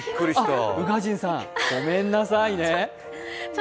宇賀神さん、ごめんなさいね。